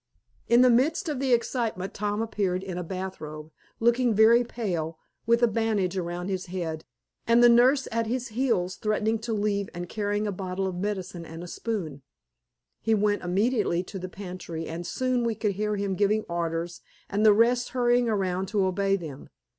In the midst of the excitement Tom appeared in a bathrobe, looking very pale, with a bandage around his head, and the nurse at his heels threatening to leave and carrying a bottle of medicine and a spoon. He went immediately to the pantry, and soon we could hear him giving orders and the rest hurrying around to obey them.